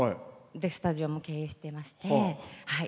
で、スタジオも経営してまして。